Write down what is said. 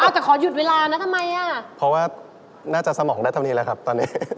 เอาแต่ขอหยุดเวลานะทำไมอ่ะเพราะว่าน่าจะสมองได้เท่านี้แล้วครับตอนนี้